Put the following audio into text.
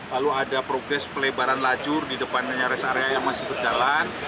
lalu ada progres pelebaran lajur di depannya rest area yang masih berjalan